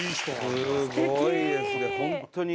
すごいですね本当に。